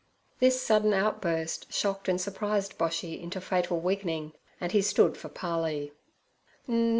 This sudden outburst shocked and surprised Boshy into fatal weakening, and he stood for parley.